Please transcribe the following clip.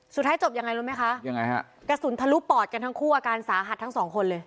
สุดท้ายจบยังไงรู้ไหมคะยังไงฮะกระสุนทะลุปอดกันทั้งคู่อาการสาหัสทั้งสองคนเลย